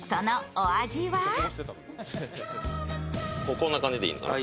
こんな感じでいいの？